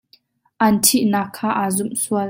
An ṭhih nak kha aa zumh sual.